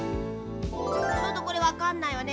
ちょっとこれわかんないわね。